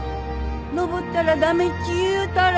登ったら駄目っち言うたろ！